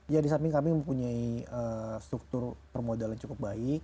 ya disamping kami mempunyai struktur permodalan cukup baik